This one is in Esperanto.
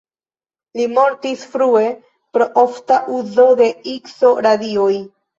Li mortis frue pro ofta uzo de Ikso-radioj.